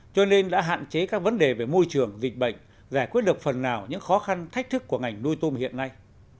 cho nên đã hạn chế các vấn đề về môi trường dịch bệnh giải quyết được phần nào những khó khăn thách thức của ngành nuôi tôm hiện nay